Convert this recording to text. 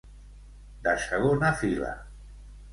De segona fila.